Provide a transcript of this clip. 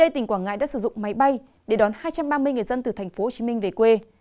tỉnh quảng ngãi đã sử dụng máy bay để đón hai trăm ba mươi người dân từ thành phố hồ chí minh về quê